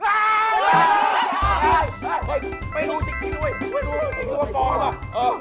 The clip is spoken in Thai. ไม่รู้เหรอไม่รู้ว่าปองเหรอ